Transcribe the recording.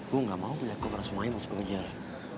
gue gak mau punya kau keras rumahnya masuk ke penjara